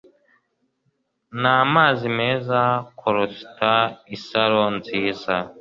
Namazi meza kuruta isaro nziza